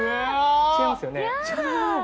違いますよね。